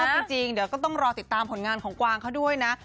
จริงเดี๋ยวก็ต้องรอติดตามผลงานของกวางเขาด้วยนะ